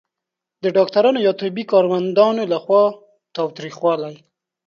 د ډاکټرانو یا طبي کارمندانو لخوا تاوتریخوالی